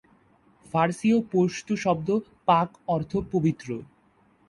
ফার্সি ও পশতু শব্দ 'পাক' অর্থ- পবিত্র।